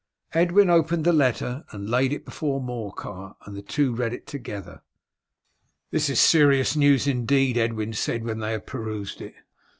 Edwin opened the letter and laid it before Morcar, and the two read it together. "This is serious news indeed," Edwin said when they had perused it.